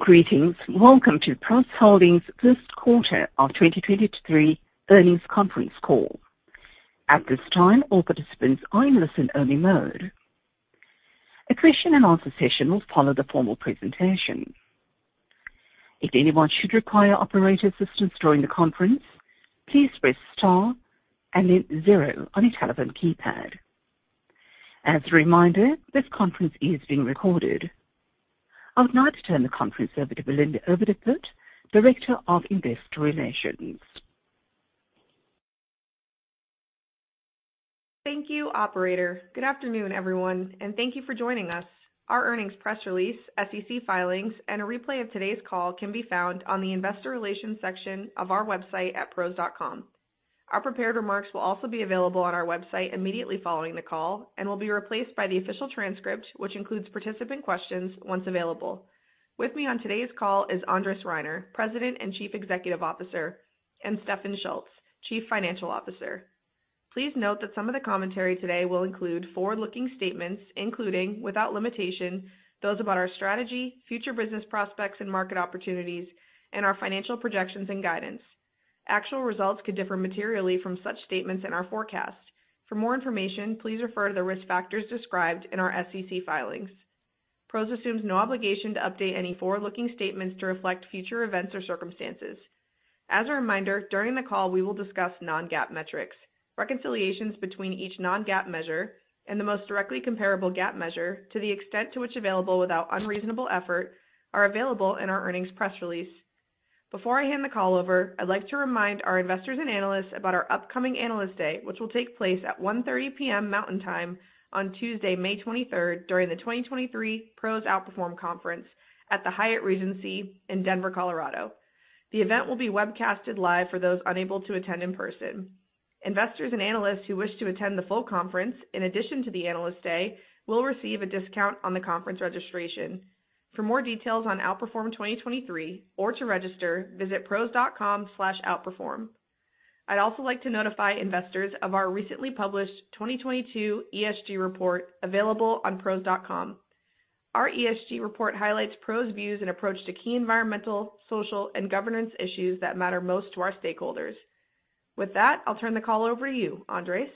Greetings. Welcome to PROS Holdings first quarter of 2023 earnings conference call. At this time, all participants are in listen-only mode. A question and answer session will follow the formal presentation. If anyone should require operator assistance during the conference, please press star and then zero on your telephone keypad. As a reminder, this conference is being recorded. I would now like to turn the conference over to Belinda Overdeput, Director of Investor Relations. Thank you, operator. Good afternoon, everyone, and thank you for joining us. Our earnings press release, SEC filings, and a replay of today's call can be found on the investor relations section of our website at PROS.com. Our prepared remarks will also be available on our website immediately following the call and will be replaced by the official transcript, which includes participant questions, once available. With me on today's call is Andres Reiner, President and Chief Executive Officer, and Stefan Schulz, Chief Financial Officer. Please note that some of the commentary today will include forward-looking statements, including, without limitation, those about our strategy, future business prospects and market opportunities, and our financial projections and guidance. Actual results could differ materially from such statements in our forecast. For more information, please refer to the risk factors described in our SEC filings. PROS assumes no obligation to update any forward-looking statements to reflect future events or circumstances. As a reminder, during the call, we will discuss non-GAAP metrics. Reconciliations between each non-GAAP measure and the most directly comparable GAAP measure, to the extent to which available without unreasonable effort, are available in our earnings press release. Before I hand the call over, I'd like to remind our investors and analysts about our upcoming Analyst Day, which will take place at 1:30 P.M. Mountain Time on Tuesday, May 23rd, during the 2023 PROS Outperform Conference at the Hyatt Regency in Denver, Colorado. The event will be webcasted live for those unable to attend in person. Investors and analysts who wish to attend the full conference in addition to the Analyst Day will receive a discount on the conference registration. For more details on Outperform 2023 or to register, visit pros.com/outperform. I'd also like to notify investors of our recently published 2022 ESG report available on pros.com. Our ESG report highlights PROS views and approach to key environmental, social, and governance issues that matter most to our stakeholders. With that, I'll turn the call over to you, Andres.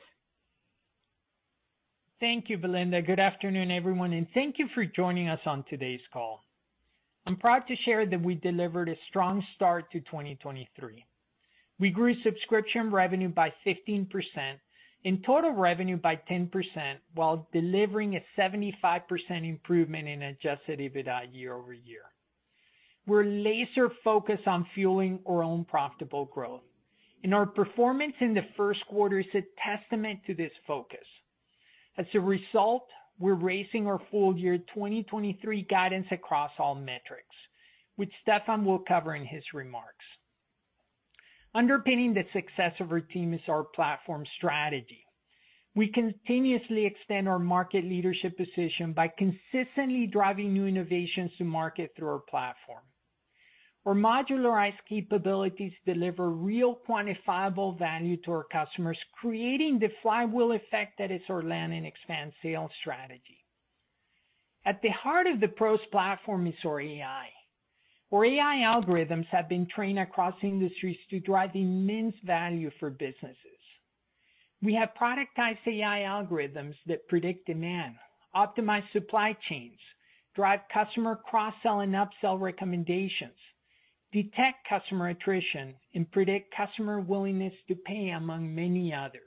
Thank you, Belinda. Good afternoon, everyone, and thank you for joining us on today's call. I'm proud to share that we delivered a strong start to 2023. We grew subscription revenue by 15% and total revenue by 10% while delivering a 75% improvement in adjusted EBITDA year-over-year. We're laser-focused on fueling our own profitable growth, and our performance in the first quarter is a testament to this focus. As a result, we're raising our full year 2023 guidance across all metrics, which Stefan will cover in his remarks. Underpinning the success of our team is our platform strategy. We continuously extend our market leadership position by consistently driving new innovations to market through our platform. Our modularized capabilities deliver real quantifiable value to our customers, creating the flywheel effect that is our land and expand sales strategy. At the heart of the PROS platform is our AI. Our AI algorithms have been trained across industries to drive immense value for businesses. We have productized AI algorithms that predict demand, optimize supply chains, drive customer cross-sell and upsell recommendations, detect customer attrition, and predict customer willingness to pay, among many others.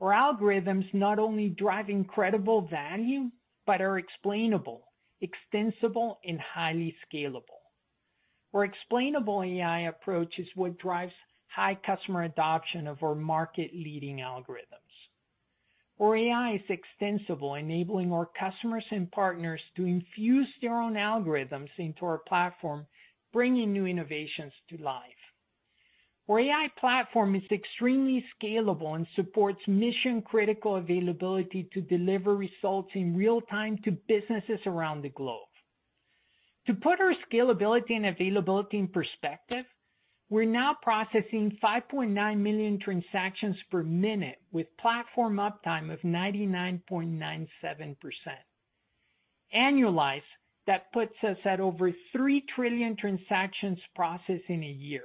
Our algorithms not only drive incredible value but are explainable, extensible, and highly scalable. Our explainable AI approach is what drives high customer adoption of our market-leading algorithms. Our AI is extensible, enabling our customers and partners to infuse their own algorithms into our platform, bringing new innovations to life. Our AI platform is extremely scalable and supports mission-critical availability to deliver results in real time to businesses around the globe. To put our scalability and availability in perspective, we're now processing 5.9 million transactions per minute with platform uptime of 99.97%. Annualized, that puts us at over 3 trillion transactions processed in a year.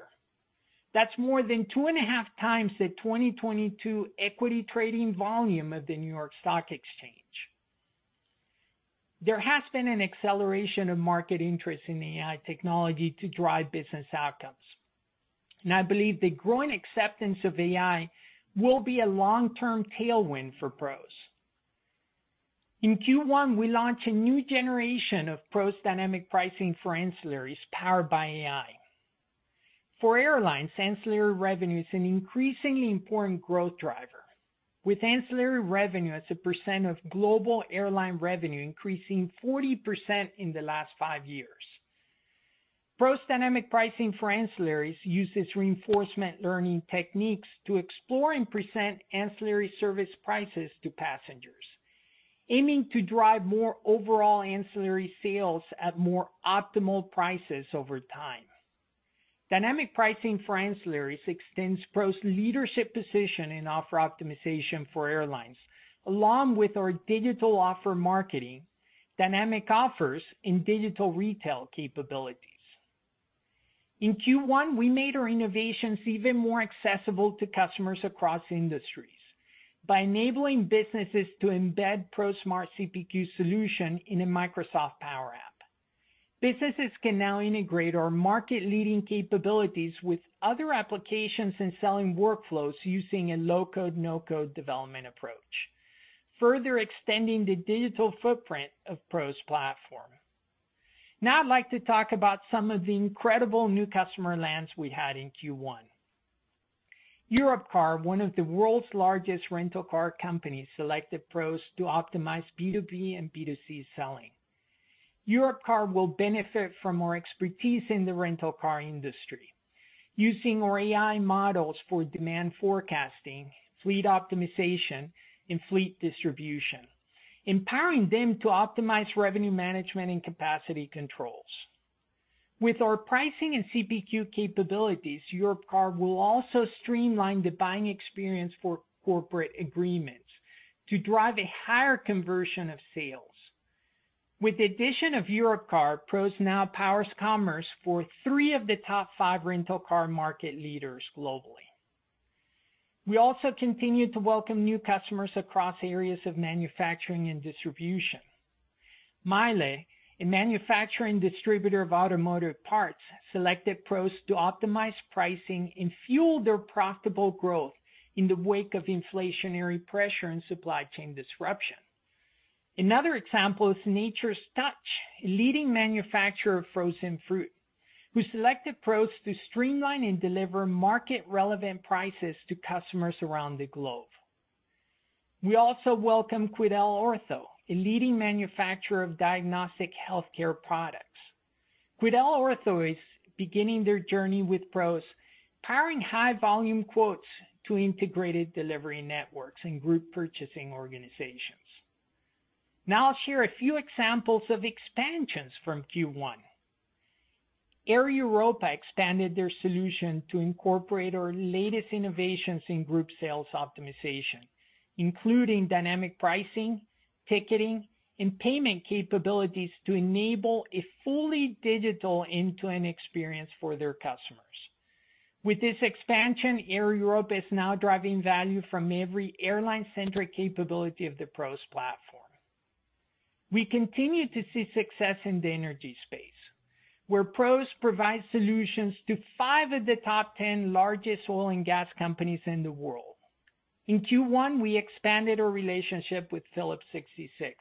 That's more than 2.5 times the 2022 equity trading volume of the New York Stock Exchange. There has been an acceleration of market interest in AI technology to drive business outcomes. I believe the growing acceptance of AI will be a long-term tailwind for PROS. In Q1, we launched a new generation of PROS Dynamic Pricing for Ancillaries powered by AI. For airlines, ancillary revenue is an increasingly important growth driver, with ancillary revenue as a percent of global airline revenue increasing 40% in the last five years. PROS Dynamic Ancillary Pricing uses reinforcement learning techniques to explore and present ancillary service prices to passengers, aiming to drive more overall ancillary sales at more optimal prices over time. Dynamic pricing for ancillaries extends PROS' leadership position in offer optimization for airlines, along with our Digital Offer Marketing, Dynamic Offers, and Digital Retailing capabilities. In Q1, we made our innovations even more accessible to customers across industries by enabling businesses to embed PROS Smart CPQ solution in a Microsoft Power App. Businesses can now integrate our market-leading capabilities with other applications and selling workflows using a low-code, no-code development approach, further extending the digital footprint of PROS platform. I'd like to talk about some of the incredible new customer lands we had in Q1. Europcar, one of the world's largest rental car companies, selected PROS to optimize B2B and B2C selling. Europcar will benefit from our expertise in the rental car industry using our AI models for demand forecasting, fleet optimization, and fleet distribution, empowering them to optimize revenue management and capacity controls. With our pricing and CPQ capabilities, Europcar will also streamline the buying experience for corporate agreements to drive a higher conversion of sales. With the addition of Europcar, PROS now powers commerce for three of the top five rental car market leaders globally. We also continue to welcome new customers across areas of manufacturing and distribution. MAHLE, a manufacturing distributor of automotive parts, selected PROS to optimize pricing and fuel their profitable growth in the wake of inflationary pressure and supply chain disruption. Another example is Nature's Touch, a leading manufacturer of frozen fruit, who selected PROS to streamline and deliver market-relevant prices to customers around the globe. We also welcome QuidelOrtho, a leading manufacturer of diagnostic healthcare products. QuidelOrtho is beginning their journey with PROS, powering high volume quotes to integrated delivery networks and group purchasing organizations. I'll share a few examples of expansions from Q1. Air Europa expanded their solution to incorporate our latest innovations in group sales optimization, including dynamic pricing, ticketing, and payment capabilities to enable a fully digital end-to-end experience for their customers. With this expansion, Air Europa is now driving value from every airline-centric capability of the PROS platform. We continue to see success in the energy space, where PROS provides solutions to 5 of the top 10 largest oil and gas companies in the world. In Q1, we expanded our relationship with Phillips 66,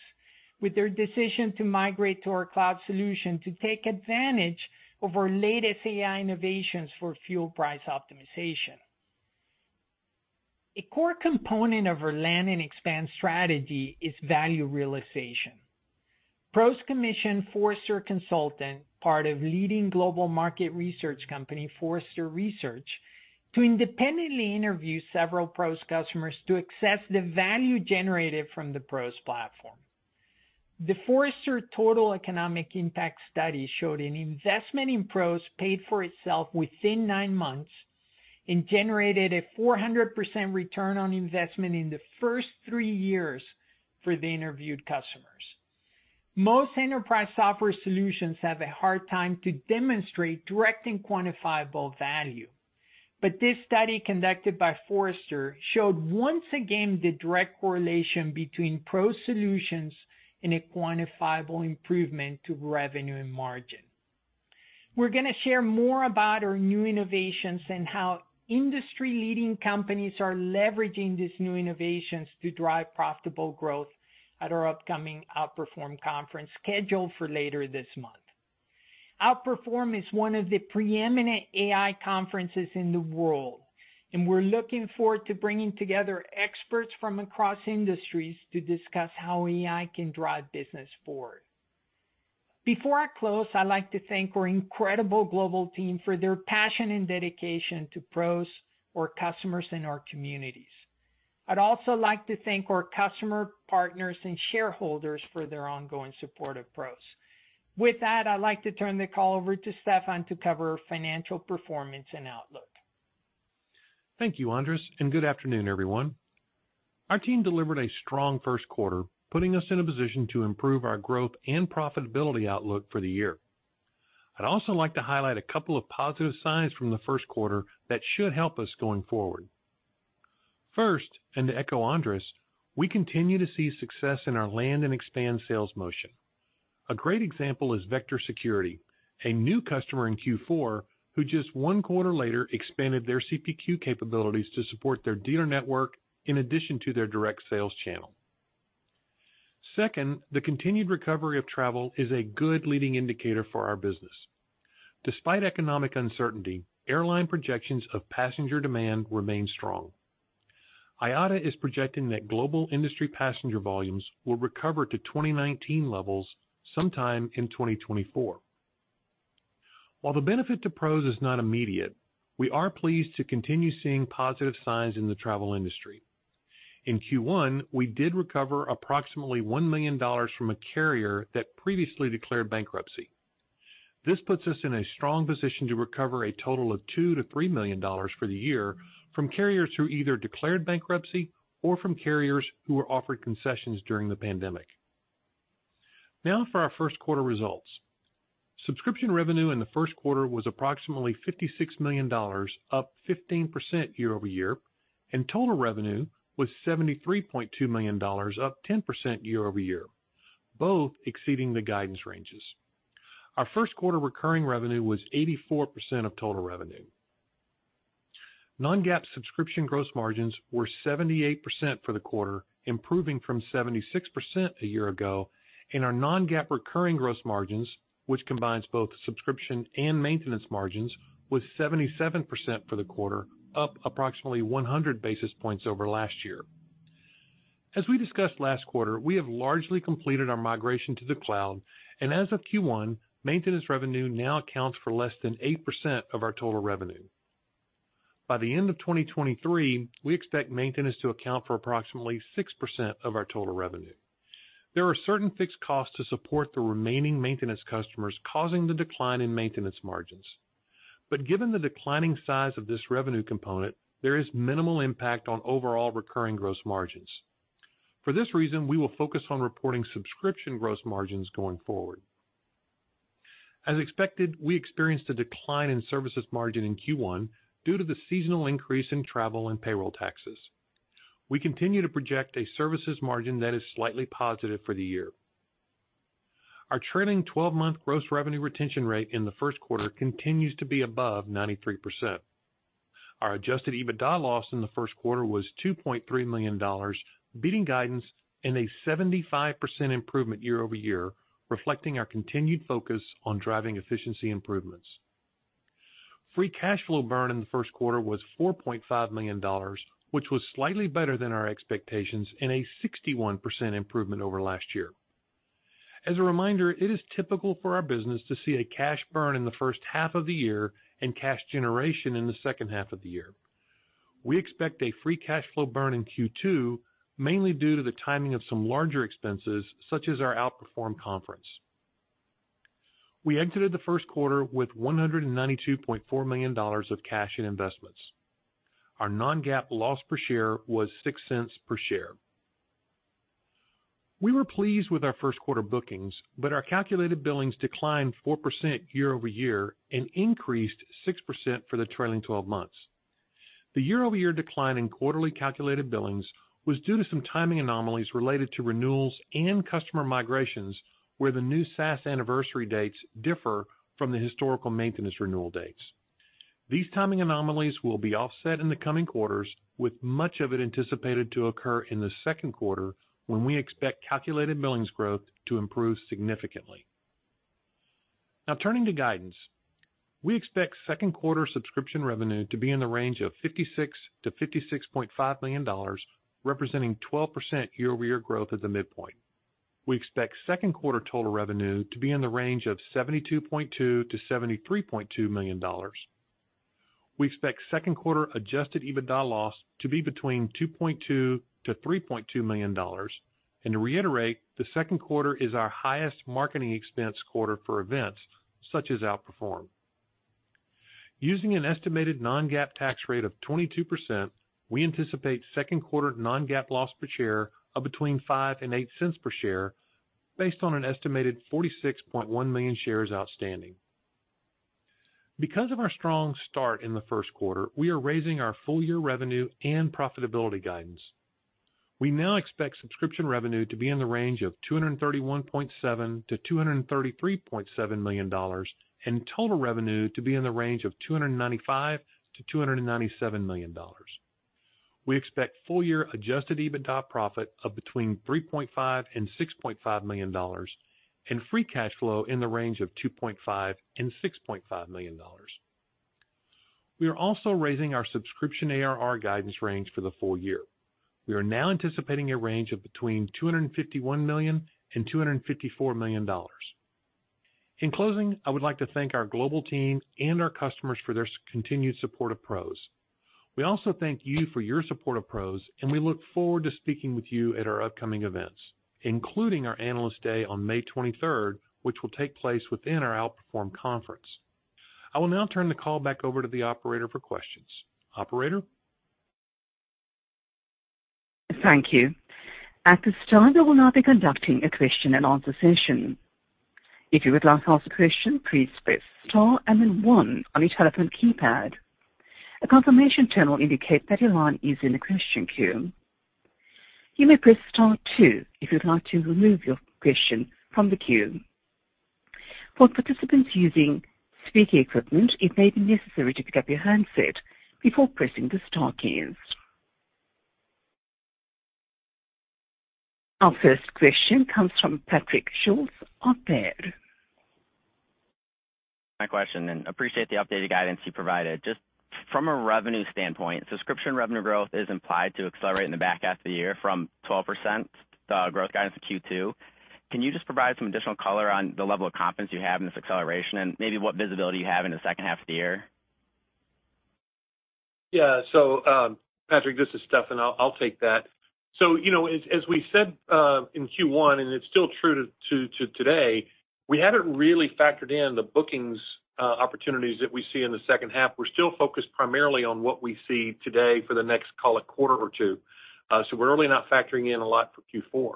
with their decision to migrate to our cloud solution to take advantage of our latest AI innovations for fuel price optimization. A core component of our land and expand strategy is value realization. PROS commissioned Forrester Consulting, part of leading global market research company, Forrester Research, to independently interview several PROS customers to assess the value generated from the PROS platform. The Forrester Total Economic Impact study showed an investment in PROS paid for itself within 9 months and generated a 400% ROI in the first 3 years for the interviewed customers. Most enterprise software solutions have a hard time to demonstrate direct and quantifiable value. This study conducted by Forrester showed once again the direct correlation between PROS solutions and a quantifiable improvement to revenue and margin. We're gonna share more about our new innovations and how industry-leading companies are leveraging these new innovations to drive profitable growth at our upcoming Outperform Conference scheduled for later this month. Outperform is one of the preeminent AI conferences in the world, and we're looking forward to bringing together experts from across industries to discuss how AI can drive business forward. Before I close, I'd like to thank our incredible global team for their passion and dedication to PROS, our customers, and our communities. I'd also like to thank our customer partners and shareholders for their ongoing support of PROS. With that, I'd like to turn the call over to Stefan to cover financial performance and outlook. Thank you, Andres, and good afternoon, everyone. Our team delivered a strong first quarter, putting us in a position to improve our growth and profitability outlook for the year. I'd also like to highlight a couple of positive signs from the first quarter that should help us going forward. First, to echo Andres, we continue to see success in our land and expand sales motion. A great example is Vector Security, a new customer in Q4, who just one quarter later expanded their CPQ capabilities to support their dealer network in addition to their direct sales channel. Second, the continued recovery of travel is a good leading indicator for our business. Despite economic uncertainty, airline projections of passenger demand remain strong. IATA is projecting that global industry passenger volumes will recover to 2019 levels sometime in 2024. While the benefit to PROS is not immediate, we are pleased to continue seeing positive signs in the travel industry. In Q1, we did recover approximately $1 million from a carrier that previously declared bankruptcy. This puts us in a strong position to recover a total of $2 million-$3 million for the year from carriers who either declared bankruptcy or from carriers who were offered concessions during the pandemic. For our first quarter results. Subscription revenue in the first quarter was approximately $56 million, up 15% year-over-year, and total revenue was $73.2 million, up 10% year-over-year, both exceeding the guidance ranges. Our first quarter recurring revenue was 84% of total revenue. Non-GAAP subscription gross margins were 78% for the quarter, improving from 76% a year ago. Our non-GAAP recurring gross margins, which combines both subscription and maintenance margins, was 77% for the quarter, up approximately 100 basis points over last year. As we discussed last quarter, we have largely completed our migration to the cloud. As of Q1, maintenance revenue now accounts for less than 8% of our total revenue. By the end of 2023, we expect maintenance to account for approximately 6% of our total revenue. There are certain fixed costs to support the remaining maintenance customers, causing the decline in maintenance margins. Given the declining size of this revenue component, there is minimal impact on overall recurring gross margins. For this reason, we will focus on reporting subscription gross margins going forward. As expected, we experienced a decline in services margin in Q1 due to the seasonal increase in travel and payroll taxes. We continue to project a services margin that is slightly positive for the year. Our trailing twelve-month gross revenue retention rate in the first quarter continues to be above 93%. Our adjusted EBITDA loss in the first quarter was $2.3 million, beating guidance and a 75% improvement year-over-year, reflecting our continued focus on driving efficiency improvements. Free cash flow burn in the first quarter was $4.5 million, which was slightly better than our expectations and a 61% improvement over last year. As a reminder, it is typical for our business to see a cash burn in the first half of the year and cash generation in the second half of the year. We expect a free cash flow burn in Q2, mainly due to the timing of some larger expenses, such as our Outperform Conference. We exited the first quarter with $192.4 million of cash in investments. Our non-GAAP loss per share was $0.06 per share. We were pleased with our first quarter bookings, but our calculated billings declined 4% year-over-year and increased 6% for the trailing 12 months. The year-over-year decline in quarterly calculated billings was due to some timing anomalies related to renewals and customer migrations, where the new SaaS anniversary dates differ from the historical maintenance renewal dates. These timing anomalies will be offset in the coming quarters, with much of it anticipated to occur in the second quarter, when we expect calculated billings growth to improve significantly. Turning to guidance. We expect second quarter subscription revenue to be in the range of $56 million-$56.5 million, representing 12% year-over-year growth at the midpoint. We expect second quarter total revenue to be in the range of $72.2 million-$73.2 million. We expect second quarter adjusted EBITDA loss to be between $2.2 million-$3.2 million. To reiterate, the second quarter is our highest marketing expense quarter for events, such as Outperform. Using an estimated non-GAAP tax rate of 22%, we anticipate second quarter non-GAAP loss per share of between $0.05 and $0.08 per share based on an estimated 46.1 million shares outstanding. Because of our strong start in the first quarter, we are raising our full year revenue and profitability guidance. We now expect subscription revenue to be in the range of $231.7 million-$233.7 million and total revenue to be in the range of $295 million-$297 million. We expect full year adjusted EBITDA profit of between $3.5 million and $6.5 million and free cash flow in the range of $2.5 million and $6.5 million. We are also raising our subscription ARR guidance range for the full year. We are now anticipating a range of between $251 million and $254 million. In closing, I would like to thank our global team and our customers for their continued support of PROS. We also thank you for your support of PROS. We look forward to speaking with you at our upcoming events, including our Analyst Day on May 23rd, which will take place within our Outperform Conference. I will now turn the call back over to the operator for questions. Operator? Thank you. At this time, we will now be conducting a question and answer session. If you would like to ask a question, please press star and then 1 on your telephone keypad. A confirmation tone will indicate that your line is in the question queue. You may press star 2 if you'd like to remove your question from the queue. For participants using speaker equipment, it may be necessary to pick up your handset before pressing the star keys. Our first question comes from Patrick Schulz of Baird. My question, appreciate the updated guidance you provided. Just from a revenue standpoint, subscription revenue growth is implied to accelerate in the back half of the year from 12%, the growth guidance in Q2. Can you just provide some additional color on the level of confidence you have in this acceleration and maybe what visibility you have in the second half of the year? Yeah. Patrick, this is Stefan. I'll take that. You know, as we said in Q1, and it's still true to today, we haven't really factored in the bookings opportunities that we see in the second half. We're still focused primarily on what we see today for the next, call it, quarter or two. We're really not factoring in a lot for Q4.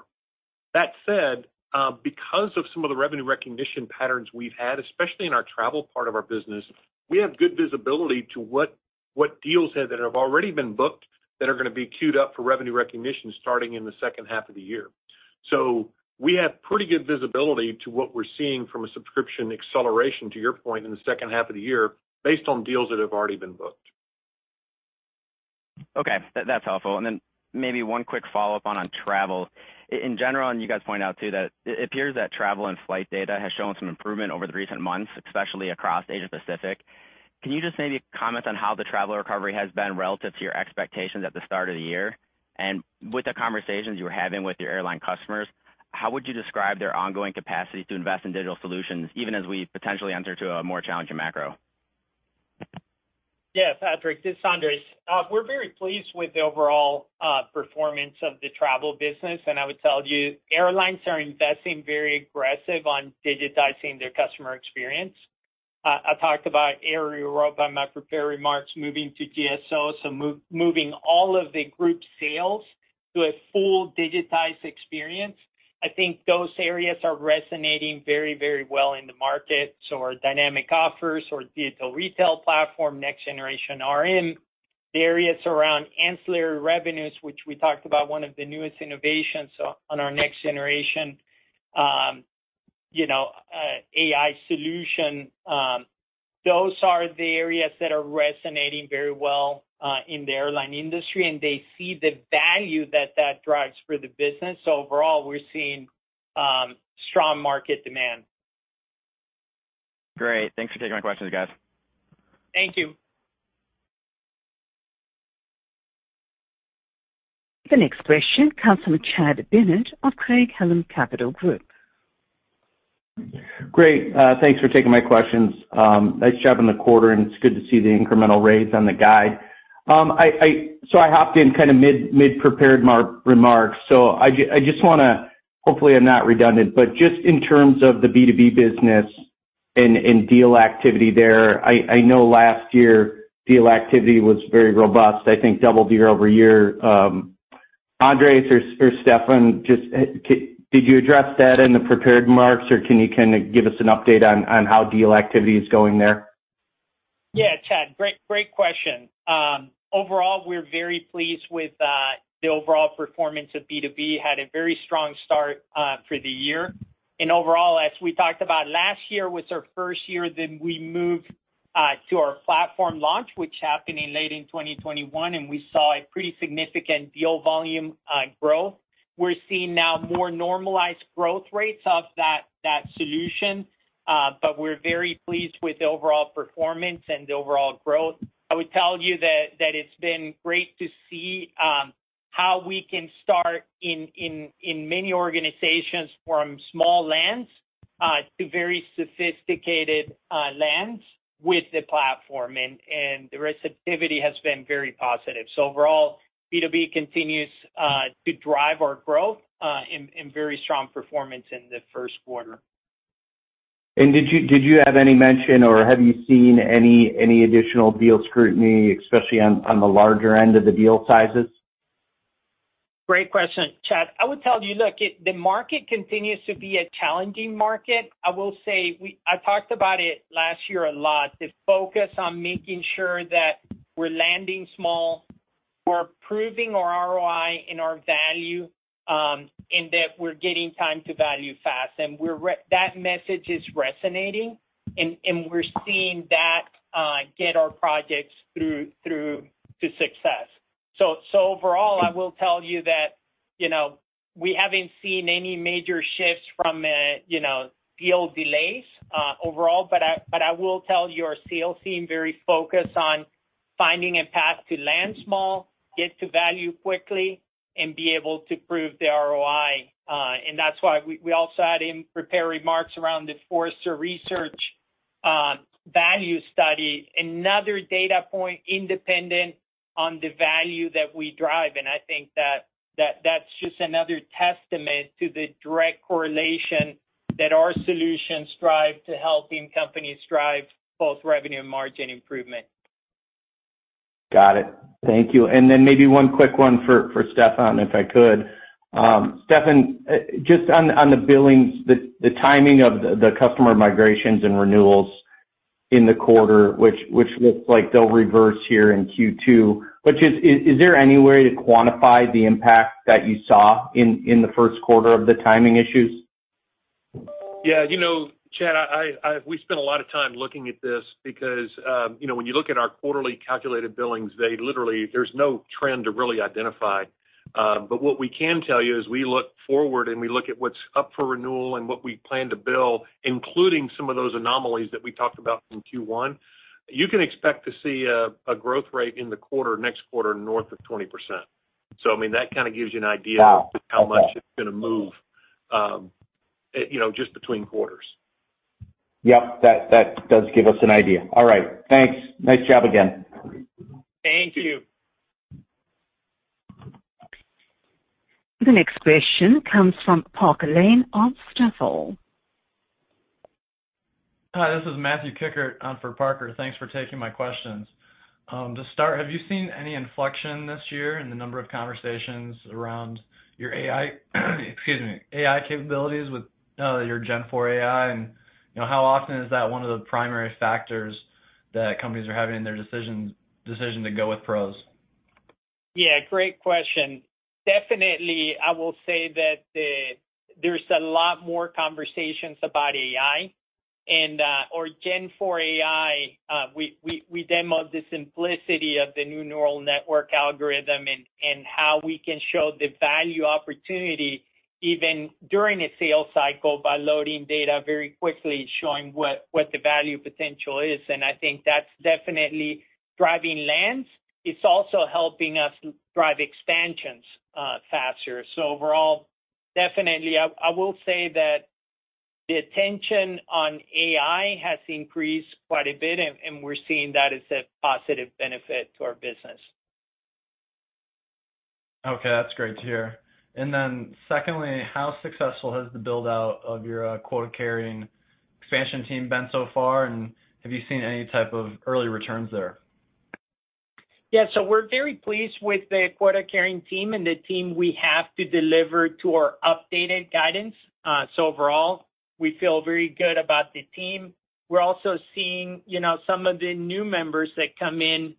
Because of some of the revenue recognition patterns we've had, especially in our travel part of our business, we have good visibility to what deals that have already been booked that are gonna be queued up for revenue recognition starting in the second half of the year. We have pretty good visibility to what we're seeing from a subscription acceleration, to your point, in the second half of the year based on deals that have already been booked. That's helpful. Then maybe one quick follow-up on travel. In general, you guys point out too that it appears that travel and flight data has shown some improvement over the recent months, especially across Asia Pacific. Can you just maybe comment on how the travel recovery has been relative to your expectations at the start of the year? With the conversations you were having with your airline customers, how would you describe their ongoing capacity to invest in digital solutions even as we potentially enter to a more challenging macro? Yeah, Patrick, this is Andres. We're very pleased with the overall performance of the travel business. I would tell you, airlines are investing very aggressive on digitizing their customer experience. I talked about Air Europa in my prepared remarks, moving to GSO, so moving all of the group sales to a full digitized experience. I think those areas are resonating very, very well in the market. Our Dynamic Offers, our Digital Retailing platform, next generation RM, the areas around ancillary revenues, which we talked about one of the newest innovations on our next generation AI solution, those are the areas that are resonating very well in the airline industry, and they see the value that that drives for the business. Overall, we're seeing strong market demand. Great. Thanks for taking my questions, guys. Thank you. The next question comes from Chad Bennett of Craig-Hallum Capital Group. Great. Thanks for taking my questions. Nice job in the quarter. It's good to see the incremental raise on the guide. I hopped in kind of mid-prepared remarks, so I just wanna... Hopefully, I'm not redundant, but just in terms of the B2B business and deal activity there, I know last year deal activity was very robust, I think doubled year-over-year. Andres or Stefan, did you address that in the prepared remarks, or can you kinda give us an update on how deal activity is going there? Yeah, Chad. Great, great question. Overall, we're very pleased with the overall performance of B2B. Had a very strong start for the year. Overall, as we talked about last year was our first year, then we moved to our platform launch, which happened in late in 2021, and we saw a pretty significant deal volume growth. We're seeing now more normalized growth rates of that solution, but we're very pleased with the overall performance and the overall growth. I would tell you that it's been great to see how we can start in many organizations from small lands to very sophisticated lands with the platform, and the receptivity has been very positive. Overall, B2B continues to drive our growth and very strong performance in the first quarter. Did you have any mention or have you seen any additional deal scrutiny, especially on the larger end of the deal sizes? Great question, Chad. I would tell you, look, the market continues to be a challenging market. I will say I talked about it last year a lot, the focus on making sure that we're landing small, we're proving our ROI and our value, and that we're getting time to value fast. That message is resonating, and we're seeing that get our projects through to success. Overall, I will tell you that, you know, we haven't seen any major shifts from, you know, deal delays overall. I will tell you our sales team very focused on finding a path to land small, get to value quickly, and be able to prove the ROI. That's why we also had in prepared remarks around the Forrester Research, value study, another data point independent on the value that we drive. I think that's just another testament to the direct correlation that our solutions drive to helping companies drive both revenue and margin improvement. Got it. Thank you. Maybe one quick one for Stefan, if I could. Stefan, just on the billings, the timing of the customer migrations and renewals in the quarter, which looks like they'll reverse here in Q2. Is there any way to quantify the impact that you saw in the first quarter of the timing issues? Yeah. You know, Chad, we spent a lot of time looking at this because, you know, when you look at our quarterly calculated billings, there's no trend to really identify. What we can tell you is we look forward, and we look at what's up for renewal and what we plan to bill, including some of those anomalies that we talked about in Q1. You can expect to see a growth rate in the quarter, next quarter north of 20%. I mean, that kind of gives you an idea- Wow. Okay. of how much it's gonna move, You know, just between quarters. Yep. That does give us an idea. All right. Thanks. Nice job again. Thank you. The next question comes from Parker Lane of Stifel. Hi, this is Matthew Kikkert on for Parker. Thanks for taking my questions. To start, have you seen any inflection this year in the number of conversations around your AI excuse me, AI capabilities with your Gen IV AI? You know, how often is that one of the primary factors that companies are having in their decision to go with PROS? Yeah, great question. Definitely, I will say that there's a lot more conversations about AI or Gen IV AI. We demo the simplicity of the new neural network algorithm and how we can show the value opportunity even during a sales cycle by loading data very quickly, showing what the value potential is. I think that's definitely driving lands. It's also helping us drive expansions faster. Overall, definitely. I will say that the attention on AI has increased quite a bit, and we're seeing that as a positive benefit to our business. Okay. That's great to hear. Secondly, how successful has the build-out of your quota-carrying expansion team been so far, and have you seen any type of early returns there? Yeah. We're very pleased with the quota-carrying team and the team we have to deliver to our updated guidance. Overall, we feel very good about the team. We're also seeing, you know, some of the new members that come in,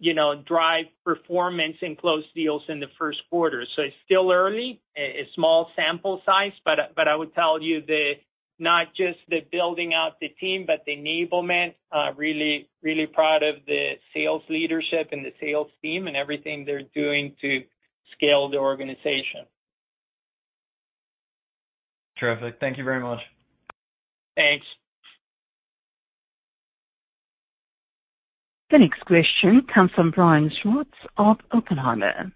you know, drive performance and close deals in the first quarter. It's still early, a small sample size, but I would tell you the... not just the building out the team, but the enablement, really proud of the sales leadership and the sales team and everything they're doing to scale the organization. Terrific. Thank you very much. Thanks. The next question comes from Brian Schwartz of Oppenheimer.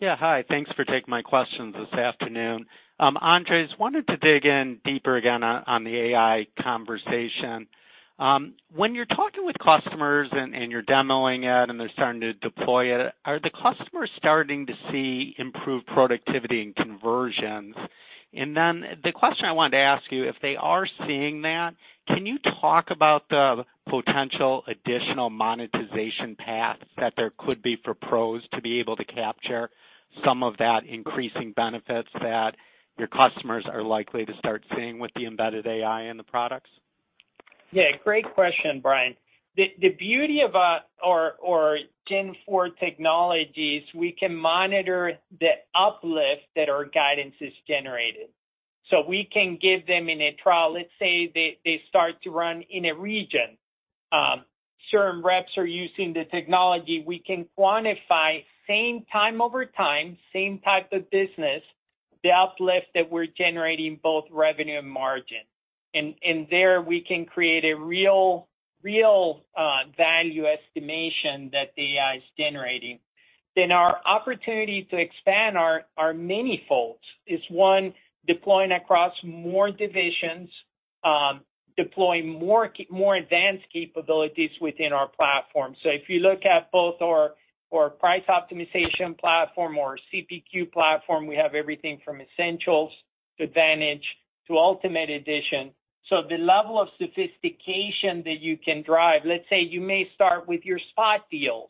Yeah. Hi. Thanks for taking my questions this afternoon. Andres, wanted to dig in deeper again on the AI conversation. When you're talking with customers and you're demoing it, and they're starting to deploy it, are the customers starting to see improved productivity and conversions? The question I wanted to ask you, if they are seeing that, can you talk about the potential additional monetization paths that there could be for PROS to be able to capture some of that increasing benefits that your customers are likely to start seeing with the embedded AI in the products? Yeah. Great question, Brian. The beauty about our Gen Four technologies, we can monitor the uplift that our guidance is generated. We can give them in a trial. Let's say they start to run in a region. Certain reps are using the technology. We can quantify same time over time, same type of business, the uplift that we're generating, both revenue and margin. And there we can create a real value estimation that the AI is generating. Our opportunity to expand are manyfold. It's one, deploying across more divisions, deploying more advanced capabilities within our platform. If you look at both our price optimization platform, our CPQ platform, we have everything from Essentials to Advantage to Ultimate edition. The level of sophistication that you can drive, let's say you may start with your spot deals,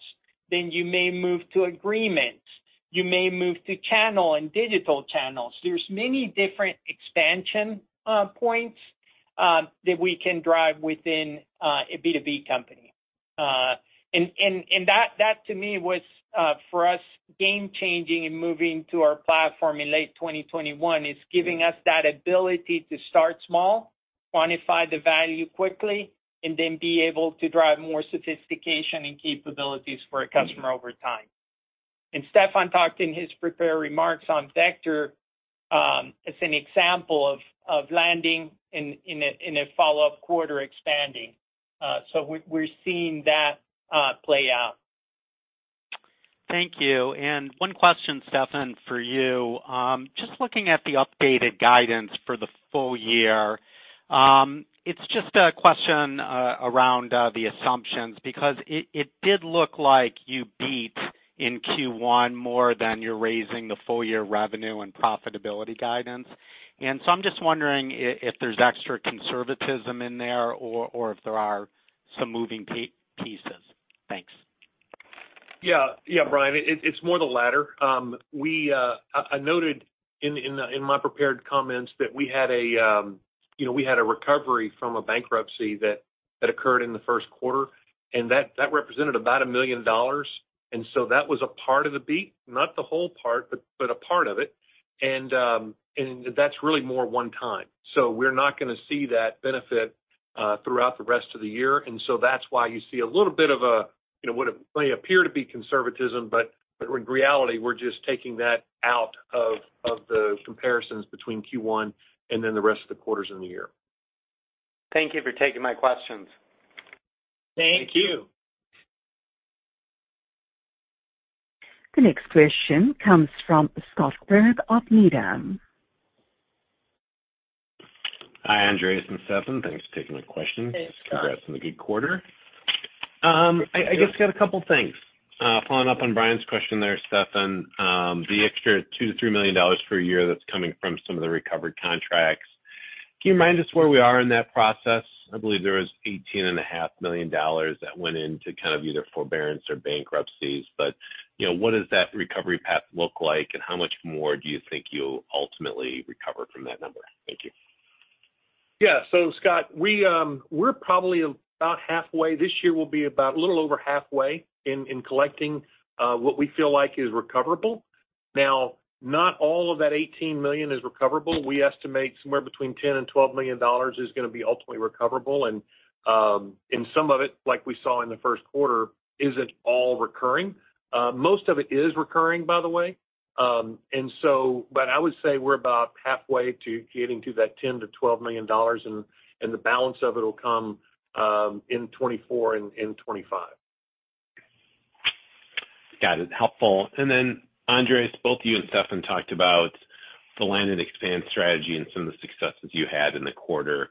then you may move to agreements, you may move to channel and digital channels. There's many different expansion points that we can drive within a B2B company. And that to me was for us, game changing and moving to our platform in late 2021. It's giving us that ability to start small, quantify the value quickly, and then be able to drive more sophistication and capabilities for a customer over time. Stefan talked in his prepared remarks on Vector Security as an example of landing in a follow-up quarter expanding. We're seeing that play out. Thank you. One question, Stefan, for you. Just looking at the updated guidance for the full year, it's just a question around the assumptions because it did look like you beat in Q1 more than you're raising the full year revenue and profitability guidance. So I'm just wondering if there's extra conservatism in there or if there are some moving pieces? Thanks. Yeah, Brian, it's more the latter. We, I noted in my prepared comments that we had a, you know, a recovery from a bankruptcy that occurred in the 1st quarter, and that represented about $1 million. That was a part of the beat, not the whole part, but a part of it. That's really more one time. We're not gonna see that benefit throughout the rest of the year. That's why you see a little bit of a, you know, what it may appear to be conservatism, but in reality, we're just taking that out of the comparisons between Q1 and then the rest of the quarters in the year. Thank you for taking my questions. Thank you. The next question comes from Scott Berg of Needham. Hi, Andres and Stefan. Thanks for taking my question. Thanks, Scott. Congrats on the good quarter. I just got a couple things. Following up on Brian's question there, Stefan, the extra $2 million-$3 million per year that's coming from some of the recovered contracts. Can you remind us where we are in that process? I believe there was eighteen and a half million dollars that went into kind of either forbearance or bankruptcies. You know, what does that recovery path look like, and how much more do you think you'll ultimately recover from that number? Thank you. Scott, we're probably about halfway. This year will be about a little over halfway in collecting, what we feel like is recoverable. Not all of that $18 million is recoverable. We estimate somewhere between $10 million-$12 million is gonna be ultimately recoverable. Some of it, like we saw in the first quarter, isn't all recurring. Most of it is recurring, by the way. But I would say we're about halfway to getting to that $10 million-$12 million, the balance of it will come, in 2024 and in 2025. Got it. Helpful. Andres, both you and Stefan talked about the land and expand strategy and some of the successes you had in the quarter.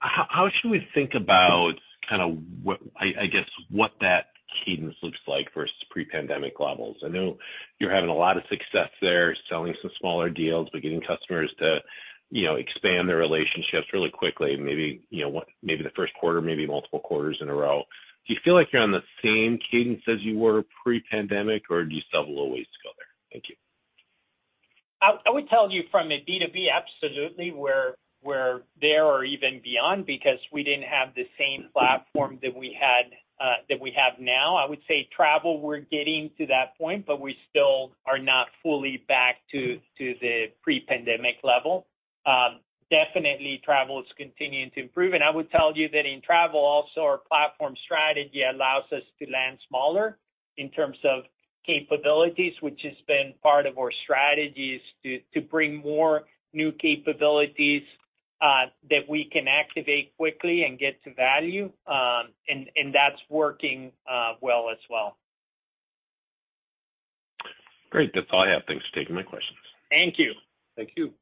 How should we think about kinda what I guess what that cadence looks like versus pre-pandemic levels? I know you're having a lot of success there, selling some smaller deals, but getting customers to, you know, expand their relationships really quickly, maybe, you know, one maybe the first quarter, maybe multiple quarters in a row. Do you feel like you're on the same cadence as you were pre-pandemic, or do you still have a little ways to go there? Thank you. I would tell you from a B2B, absolutely, we're there or even beyond because we didn't have the same platform that we had that we have now. I would say travel, we're getting to that point, but we still are not fully back to the pre-pandemic level. Definitely travel is continuing to improve. I would tell you that in travel also, our platform strategy allows us to land smaller in terms of capabilities, which has been part of our strategies to bring more new capabilities that we can activate quickly and get to value. That's working well as well. Great. That's all I have. Thanks for taking my questions. Thank you. Thank you.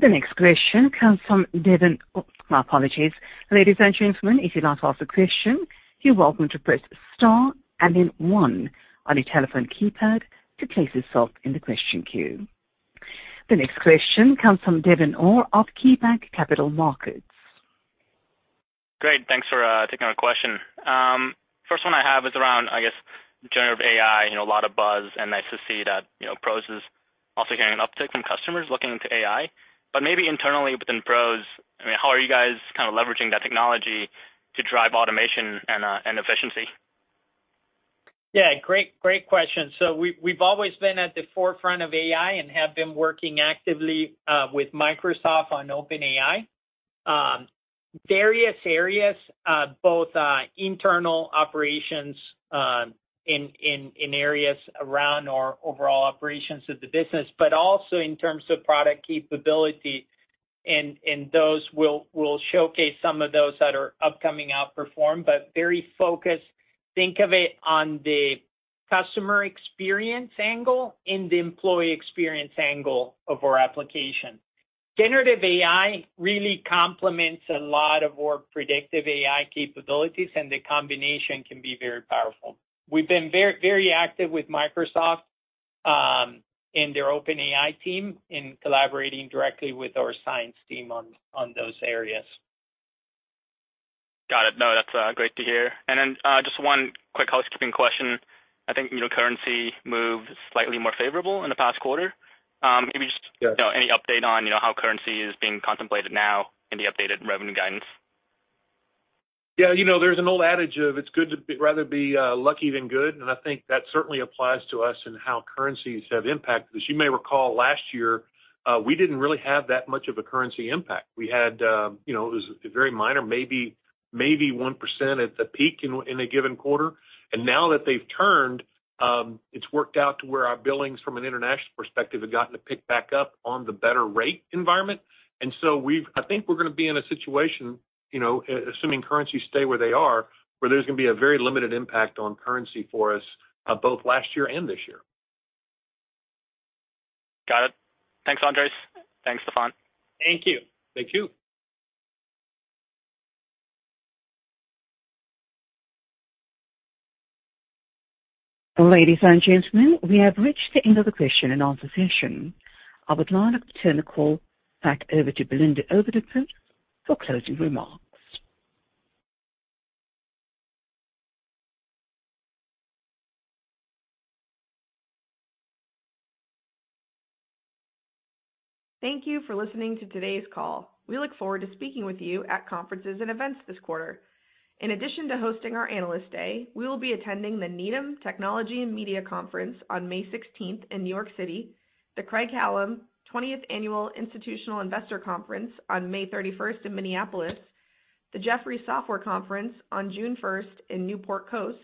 The next question comes from Devin... Oh, my apologies. Ladies and gentlemen, if you'd like to ask a question, you're welcome to press star and then one on your telephone keypad to place yourself in the question queue. The next question comes from Devin Au of KeyBanc Capital Markets. Great. Thanks for taking our question. First one I have is around, I guess, generative AI. You know, a lot of buzz and nice to see that, you know, PROS is also getting an uptick from customers looking into AI. Maybe internally within PROS, I mean, how are you guys kinda leveraging that technology to drive automation and efficiency? Yeah. Great, great question. We've always been at the forefront of AI and have been working actively with Microsoft on OpenAI. Various areas, both internal operations, in areas around our overall operations of the business, but also in terms of product capability and those we'll showcase some of those that are upcoming Outperform, but very focused. Think of it on the customer experience angle and the employee experience angle of our application. Generative AI really complements a lot of our predictive AI capabilities, and the combination can be very powerful. We've been very active with Microsoft and their OpenAI team in collaborating directly with our science team on those areas. Got it. No, that's great to hear. Then just one quick housekeeping question. I think, you know, currency moved slightly more favorable in the past quarter. Yes. You know, any update on, you know, how currency is being contemplated now in the updated revenue guidance? You know, there's an old adage of it's good to be rather be lucky than good, and I think that certainly applies to us in how currencies have impacted us. You may recall last year, we didn't really have that much of a currency impact. We had, you know, it was a very minor, maybe 1% at the peak in a given quarter. Now that they've turned, it's worked out to where our billings from an international perspective have gotten to pick back up on the better rate environment. I think we're gonna be in a situation, you know, assuming currencies stay where they are, where there's gonna be a very limited impact on currency for us, both last year and this year. Got it. Thanks, Andres. Thanks, Stefan. Thank you. Thank you. Ladies and gentlemen, we have reached the end of the question and answer session. I would now like to turn the call back over to Belinda Overdeput for closing remarks. Thank you for listening to today's call. We look forward to speaking with you at conferences and events this quarter. In addition to hosting our Analyst Day, we will be attending the Needham Technology & Media Conference on May 16th in New York City, the Craig-Hallum 20th Annual Institutional Investor Conference on May 31st in Minneapolis, the Jefferies Software Conference on June 1st in Newport Coast,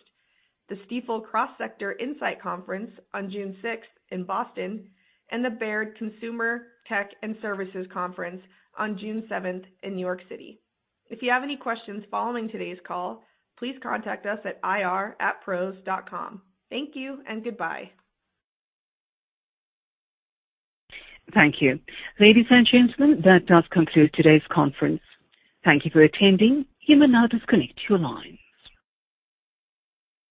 the Stifel Cross Sector Insight Conference on June 6th in Boston, and the Baird Consumer Tech & Services Conference on June 7th in New York City. If you have any questions following today's call, please contact us at ir@pros.com. Thank you and goodbye. Thank you. Ladies and gentlemen, that does conclude today's conference. Thank you for attending. You may now disconnect your lines.